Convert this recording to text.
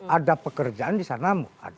ada pekerjaan disana